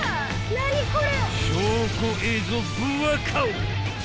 何これ？